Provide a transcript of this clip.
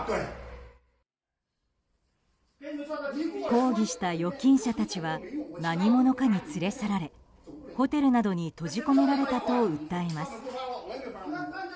抗議した預金者たちは何者かに連れ去られホテルなどに閉じ込められたと訴えます。